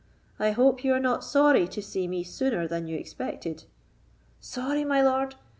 I hope you are not sorry to see me sooner than you expected?" "Sorry, my lord!